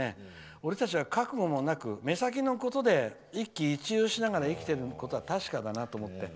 俺たちは覚悟もなく目先のことで一喜一憂しながら生きてることは確かだなと思って。